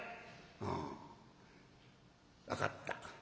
「ああ分かった。